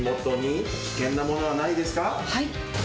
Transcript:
はい。